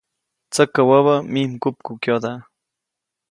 Tsäkä wäbä mij mgupkukyoda.